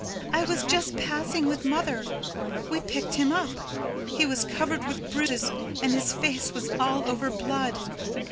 I was just passing with mother. We picked him up. He was covered with bruises and his face was all over blood.